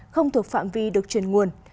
không thuộc phạm vi được truyền nguồn